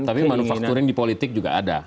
tapi manufakturing di politik juga ada